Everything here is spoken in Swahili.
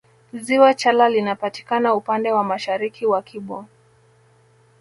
Ziwa chala linapatikana upande wa mashariki wa kibo